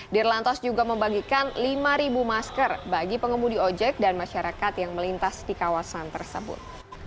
dirlantas juga membagikan lima masker bagi pengemudi ojek dan masyarakat yang melintas di kawasan tersebut